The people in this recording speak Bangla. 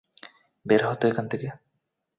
বের হ তো এখান থেকে।